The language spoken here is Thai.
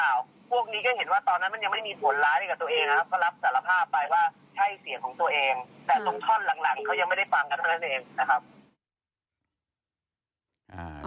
แต่ตรงท่อนหลังเขายังไม่ได้ฟังกันเท่านั้นเองนะครับ